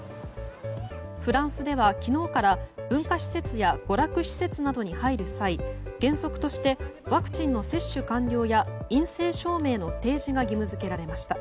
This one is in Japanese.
フランスでは昨日から文化施設や娯楽施設などに入る際原則としてワクチンの接種完了や陰性証明の提示が義務付けられました。